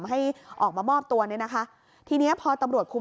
พอหลังจากเกิดเหตุแล้วเจ้าหน้าที่ต้องไปพยายามเกลี้ยกล่อม